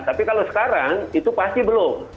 tapi kalau sekarang itu pasti belum